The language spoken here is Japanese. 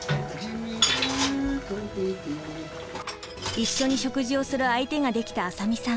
一緒に食事をする相手ができた浅見さん。